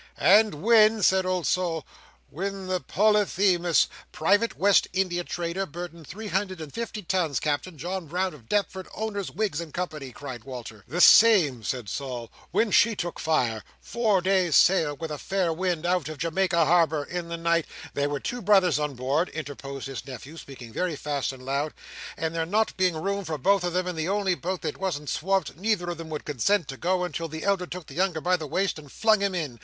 "And when," said old Sol, "when the Polyphemus—" "Private West India Trader, burden three hundred and fifty tons, Captain, John Brown of Deptford. Owners, Wiggs and Co.," cried Walter. "The same," said Sol; "when she took fire, four days' sail with a fair wind out of Jamaica Harbour, in the night—" "There were two brothers on board," interposed his nephew, speaking very fast and loud, "and there not being room for both of them in the only boat that wasn't swamped, neither of them would consent to go, until the elder took the younger by the waist, and flung him in.